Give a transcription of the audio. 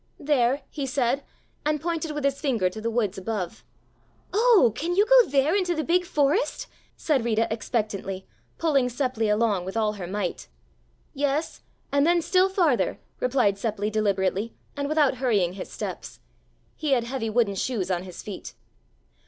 "There," he said, and pointed with his finger to the woods above. "Oh, can you go there into the big forest?" said Rita expectantly, pulling Seppli along with all her might. "Yes, and then still farther," replied Seppli deliberately and without hurrying his steps; he had heavy wooden shoes on his feet.